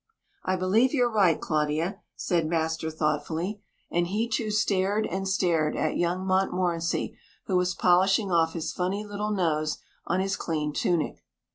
"I believe you're right, Claudia," said master thoughtfully, and he too stared and stared at young Montmorency, who was polishing off his funny little nose on his clean tunic.